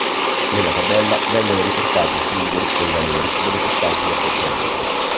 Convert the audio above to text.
Nella tabella vengono riportati i simboli e i valori delle costanti di accoppiamento.